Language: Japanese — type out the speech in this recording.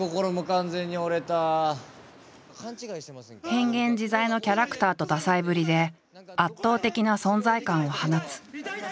変幻自在のキャラクターと多才ぶりで圧倒的な存在感を放つ。